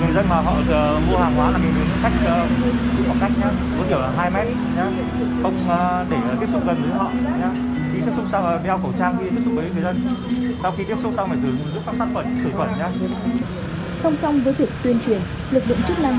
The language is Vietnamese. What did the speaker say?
song song với việc tuyên truyền lực lượng chức năng tiến hành kiểm tra người ra đường